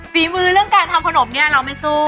ฝีมือเรื่องการทำขนมเนี่ยเราไม่สู้